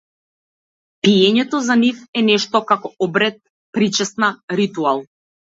Пиењето за нив е нешто како обред, причесна, ритуал.